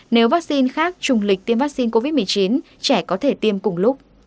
nếu vaccine khác trùng lịch tiêm vaccine covid một mươi chín trẻ có thể tiêm cùng lúc